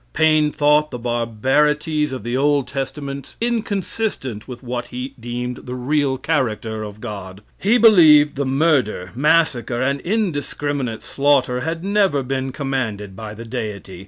Paine thought the barbarities of the Old Testament inconsistent with what he deemed the real character of God. He believed the murder, massacre, and indiscriminate slaughter had never been commanded by the Deity.